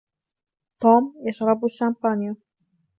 توم يشرب الشامبانيا.